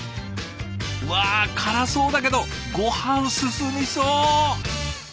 うわ辛そうだけどごはん進みそう！